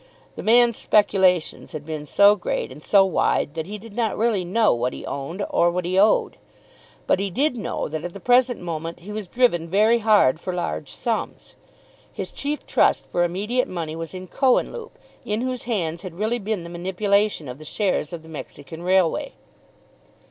The man's speculations had been so great and so wide that he did not really know what he owned, or what he owed. But he did know that at the present moment he was driven very hard for large sums. His chief trust for immediate money was in Cohenlupe, in whose hands had really been the manipulation of the shares of the Mexican railway.